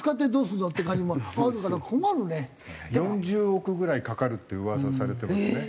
４０億ぐらいかかるって噂されてますね。